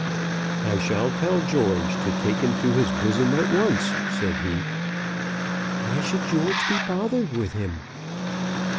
"I shall tell George to take him to his bosom at once," said he. "Why should George be bothered with him?"